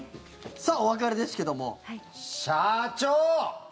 さあ、お別れですけども。社員。